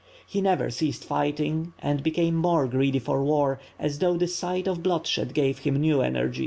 He never ceased fighting and became more greedy for war, as though the sight oi bloodshed gave him new energy.